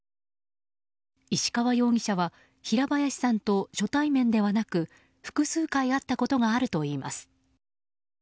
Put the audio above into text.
石川容疑者は平林さんと初対面ではなく複数回会ったことがあるといいます。